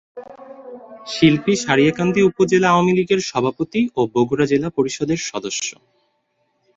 শিল্পী সারিয়াকান্দি উপজেলা আওয়ামী লীগের সভাপতি ও বগুড়া জেলা পরিষদের সদস্য।